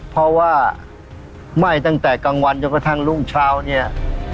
เพราะว่าไหม้ตั้งแต่กลางวันจนกระทั่งรุ่งเช้าเนี่ย